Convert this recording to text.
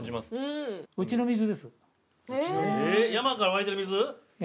えっ山から湧いてる水？